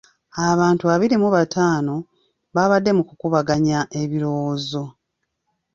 Abantu abiri mu bataano baabadde mu kukubaganya ebirowoozo.